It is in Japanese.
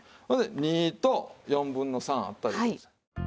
それで２と４分の３あった。